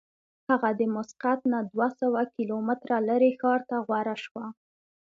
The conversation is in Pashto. هغه د مسقط نه دوه سوه کیلومتره لرې ښار ته غوره شوه.